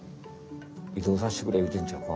移動させてくれ言うてんちゃうか？